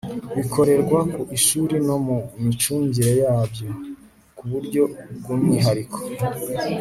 bikorerwa ku ishuri no mu micungire yabyo. ku buryo bw'umwihariko